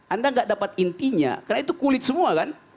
anda gak dapat intinya karena itu kulit semua kan